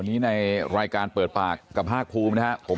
ในรายการเปิดปากกับภาคภูมินะครับ